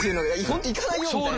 行かないよみたいな。